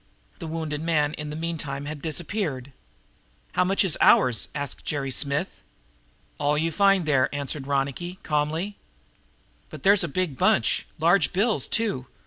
The wounded man in the meantime had disappeared. "How much is ours?" asked Jerry Smith. "All you find there," answered Ronicky calmly. "But there's a big bunch large bills, too.